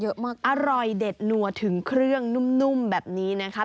อร่อยมากอร่อยเด็ดนัวถึงเครื่องนุ่มแบบนี้นะคะ